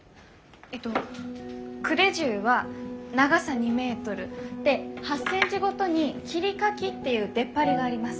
えっと組手什は長さ２メートルで８センチごとに切り欠きっていう出っ張りがあります。